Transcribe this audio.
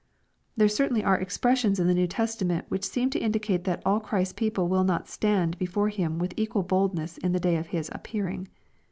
There certainly are expressions in the New Testament which seem to indicate that all Christ's people will not " stand" before Him with equal boldness in the day of His appearing.